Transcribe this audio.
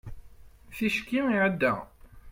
ticki iɛedda